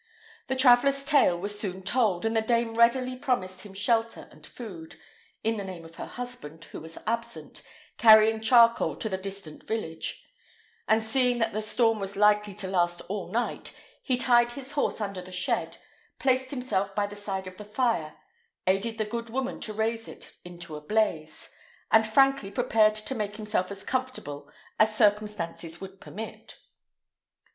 The traveller's tale was soon told, and the dame readily promised him shelter and food, in the name of her husband, who was absent, carrying charcoal to the distant village; and seeing that the storm was likely to last all night, he tied his horse under the shed, placed himself by the side of the fire, aided the good woman to raise it into a blaze, and frankly prepared to make himself as comfortable as circumstances would permit.